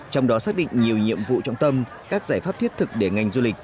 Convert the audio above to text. trong đó xác định nhiều nhiệm vụ trọng tâm các giải pháp thiết thực để ngành du lịch